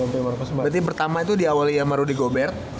berarti pertama itu diawali ya marudy gobert